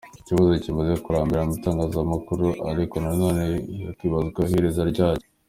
Ikibazo kimaze kurambirana mu itangazamakuru ariko nanone hakibazwa iherezo ryacyo.